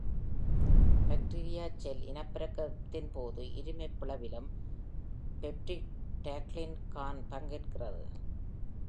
பாக்டீரியச் cell இனப்பெருக்கத்தின்போது இருமைப் பிளவிலும் பெப்டிடாக்லிகான் பங்கேற்கிறது.